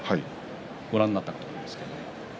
ご覧になったと思いますけれど。